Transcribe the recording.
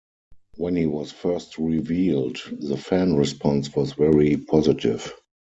When he was first revealed, the fan response was very positive.